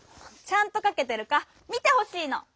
ちゃんとかけてるか見てほしいの！